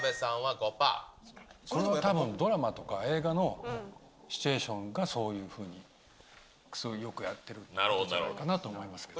これはたぶん、ドラマとか映画のシチュエーションがそういうふうに、よくやってるのかなと思いますけれども。